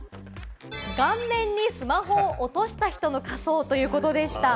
顔面にスマホを落とした人の仮装ということでした。